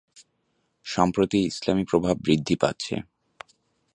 সম্প্রতি ইসলামি প্রভাব বৃদ্ধি পাচ্ছে।